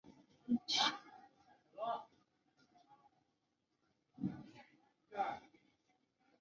中国古人常常将人和天地及鬼神联系在一起。